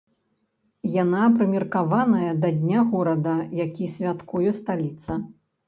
Яна прымеркаваная да дня горада, які святкуе сталіца.